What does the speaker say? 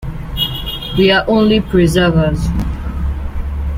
We are only preservers.